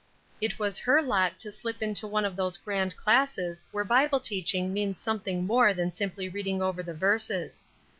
It was her lot to slip into one of those grand classes where Bible teaching means something more than simply reading over the verses.